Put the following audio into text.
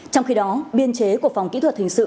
trong khi đó biên chế của phòng kỹ thuật hình sự